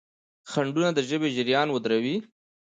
خنډونه د ژبې جریان ودروي.